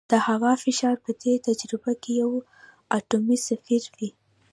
د هوا فشار په دې تجربه کې یو اټموسفیر وي.